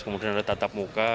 kemudian ada tatap muka